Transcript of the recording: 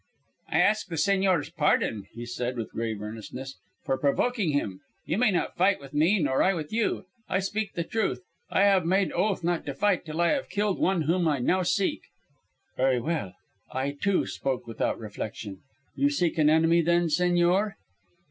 "I ask the señor's pardon," he said, with grave earnestness, "for provoking him. You may not fight with me nor I with you. I speak the truth. I have made oath not to fight till I have killed one whom now I seek." "Very well; I, too, spoke without reflection. You seek an enemy, then, señor?"